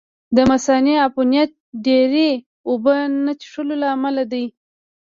د مثانې عفونت ډېرې اوبه نه څښلو له امله دی.